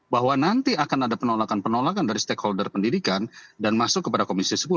bahwa nanti akan ada penolakan penolakan dari stakeholder pendidikan dan masuk kepada komisi sepuluh